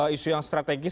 isu yang strategis